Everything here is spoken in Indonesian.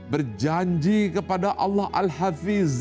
berjanji kepada allah al hafiz